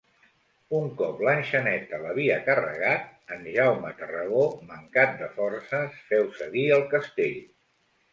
Un cop l'enxaneta l'havia carregat, en Jaume Tarragó, mancat de forces, féu cedir el castell.